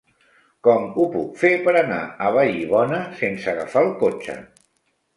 Com ho puc fer per anar a Vallibona sense agafar el cotxe?